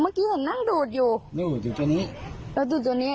เมื่อกี้เห็นนั่งดูดอยู่นั่งดูดอยู่ตัวนี้แล้วดูดตัวนี้